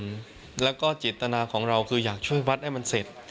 วัดเหมือนเดิมแล้วก็จิตนาของเราคืออยากช่วยวัดให้มันเสร็จ